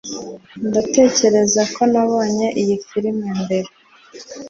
ndatekereza ko nabonye iyi firime mbere